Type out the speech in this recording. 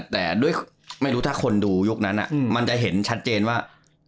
แต่ด้วยไม่รู้ถ้าคนดูยุคนั้นมันจะเห็นชัดเจนว่า